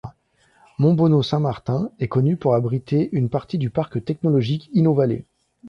Montbonnot-Saint-Martin est connue pour abriter une partie du parc technologique Inovallée.